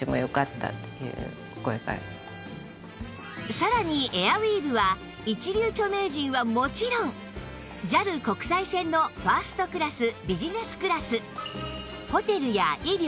さらにエアウィーヴは一流著名人はもちろん ＪＡＬ 国際線のファーストクラスビジネスクラスホテルや医療